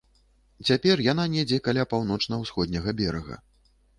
Цяпер яна недзе каля паўночна-усходняга берага.